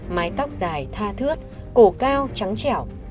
mái tóc dài tha thướt cổ cao trắng trẻo